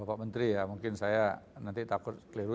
saya pak menteri ya mungkin saya nanti takut keliru